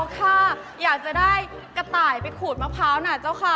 ค่ะอยากจะได้กระต่ายไปขูดมะพร้าวนะเจ้าค่ะ